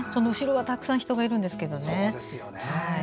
後ろはたくさん人がいるんですけどね。